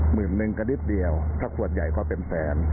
หมื่นนึงก็นิดเดียวถ้าขวดใหญ่ก็เป็นแสน